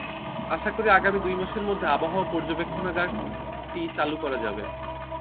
আশা করি, আগামী দুই মাসের মধ্যে আবহাওয়া পর্যবেক্ষণাগারটি চালু করা যাবে।